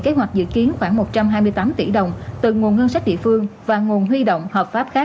kế hoạch dự kiến khoảng một trăm hai mươi tám tỷ đồng từ nguồn ngân sách địa phương và nguồn huy động hợp pháp khác